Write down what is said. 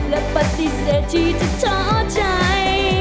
และปฏิเสธที่จะเทาะชัย